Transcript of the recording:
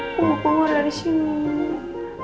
aku mau keluar dari sini